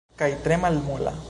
Kaj tre malmola.